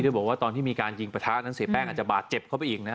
บอกว่าตอนที่มีการยิงประทะนั้นเสียแป้งอาจจะบาดเจ็บเข้าไปอีกนะฮะ